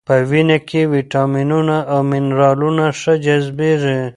په وینه کې ویټامینونه او منرالونه ښه جذبېږي.